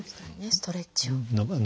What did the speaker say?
ストレッチを。